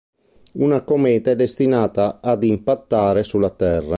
Una cometa è destinata ad impattare sulla Terra.